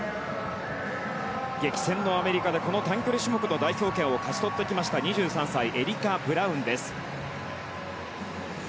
激戦のアメリカで短距離種目の代表権を勝ち取ってきました２３歳、エリカ・ブラウンです。